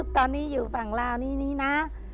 ตอนนี้อยู่ฝั่งลาวนี้นี้นะ